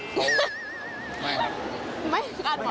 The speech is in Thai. โอ้ยไม่นะครับ